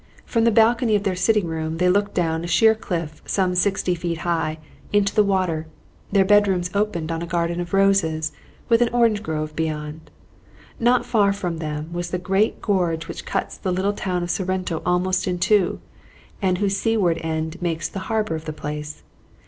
From the balcony of their sitting room they looked down a sheer cliff some sixty feet high, into the water; their bedrooms opened on a garden of roses, with an orange grove beyond. Not far from them was the great gorge which cuts the little town of Sorrento almost in two, and whose seaward end makes the harbor of the place.